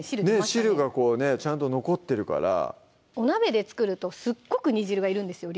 汁がちゃんと残ってるからお鍋で作るとすごく煮汁がいるんですよ